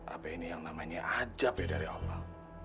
apa ini yang namanya aja beda dari allah